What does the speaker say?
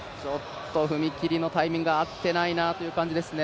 踏切のタイミングが合っていないなという感じですね。